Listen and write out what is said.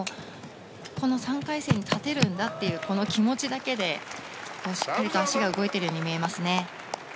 この３回戦に立てるんだという気持ちだけでしっかりと足が動いているように見えますね。